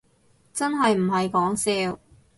真係唔係講笑